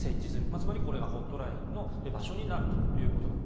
つまりこれがホットラインの場所になると。